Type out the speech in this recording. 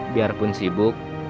biar pun sibuk